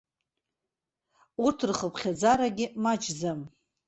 Урҭ рхыԥхьаӡарагьы маҷӡам.